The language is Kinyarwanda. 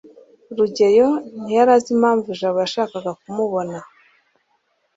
rugeyo ntiyari azi impamvu jabo yashakaga kumubona